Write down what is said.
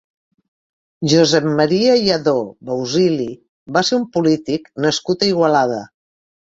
Josep Maria Lladó Bausili va ser un polític nascut a Igualada.